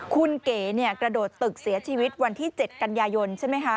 คุณเก๋กระโดดตึกเสียชีวิตวันที่๗กันยายนใช่ไหมคะ